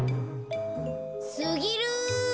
すぎる！